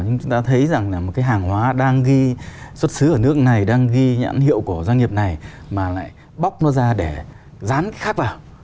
nhưng chúng ta thấy rằng là một cái hàng hóa đang ghi xuất xứ ở nước này đang ghi nhãn hiệu của doanh nghiệp này mà lại bóc nó ra để dán khác vào